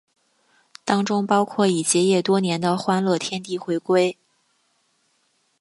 当中包括已结业多年的欢乐天地回归。